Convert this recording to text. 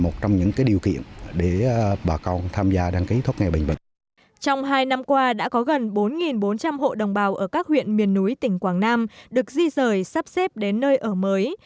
trong hai năm qua đã có gần bốn bốn trăm linh hộ đồng bào ở các huyện miền núi tỉnh quảng nam được di rời sắp xếp đến nơi ở mới